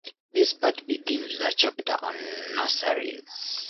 This part begins with a chapter on Nurseries.